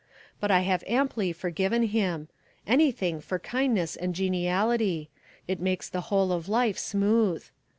But I have amply forgiven him: anything for kindness and geniality; it makes the whole of life smooth.